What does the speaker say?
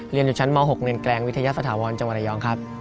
เรียนอยู่ชั้นม๖เรียนแกลงวิทยาสถาวรจังหวัดระยองครับ